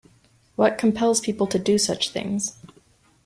What compels people to do such things?